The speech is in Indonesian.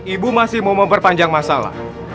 ibu masih mau memperpanjang masalah